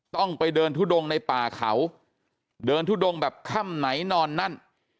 ต้องไปเดินทุดงในป่าเขาเดินทุดงแบบค่ำไหนนอนนั่น